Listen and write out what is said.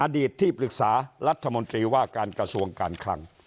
ที่ปรึกษารัฐมนตรีว่าการกระทรวงการคลัง